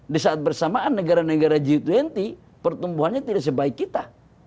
di saat bersamaan negara negara g dua puluh pertumbuhannya tidak sebaik kita